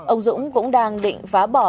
ông dũng cũng đang định phá bỏ